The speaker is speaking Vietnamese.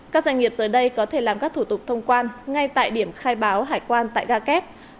các doanh nghiệp giờ đây có thể làm các thủ tục thông quan ngay tại điểm khai báo hải quan tại ga kép